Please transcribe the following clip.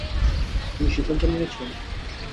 তুমি সিদ্ধান্ত নিয়েছ।